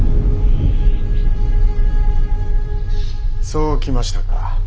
そう来ましたか。